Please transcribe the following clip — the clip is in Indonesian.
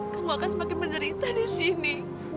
kamu akan semakin menderita di sini